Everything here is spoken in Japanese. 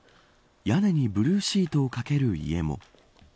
屋根にブルーシートをかける家も。